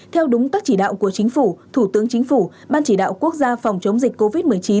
theo đúng các chỉ đạo của chính phủ thủ tướng chính phủ ban chỉ đạo quốc gia phòng chống dịch covid một mươi chín